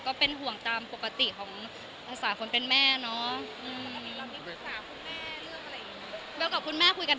ก็เป็นห่วงตามปกติของภาษาคนเป็นแม่เนาะ